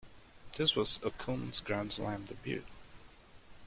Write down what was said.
This was Okun's grand slam debut.